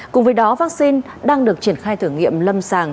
cùng với đó vaccine đang được triển khai thử nghiệm lâm sàng